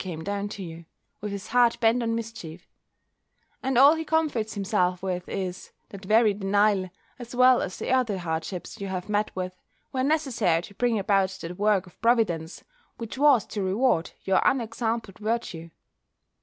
came down to you, with his heart bent on mischief; and all he comforts himself with is, that very denial, as well as the other hardships you have met with, were necessary to bring about that work of Providence which was to reward your unexampled virtue.